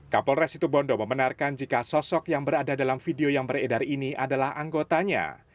kapolres situbondo membenarkan jika sosok yang berada dalam video yang beredar ini adalah anggotanya